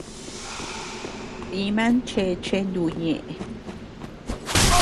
Diman cheche nu ñeʼe.